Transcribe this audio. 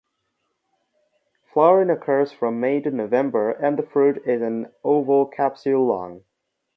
Flowering occurs from May to November and the fruit is an oval capsule long.